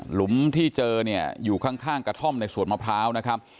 หุมที่เจอเนี่ยอยู่ข้างกระท่อมในสวนมะพร้าวนะครับ